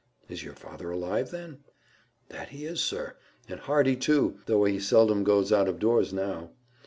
"Is your father alive, then?" "That he is, sir, and hearty too, though he seldom goes out of doors now.